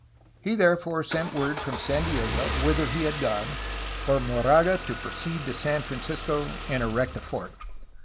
He therefore sent word from San Diego, whither he had gone, for Moraga to proceed to San Francis co and erect a fort.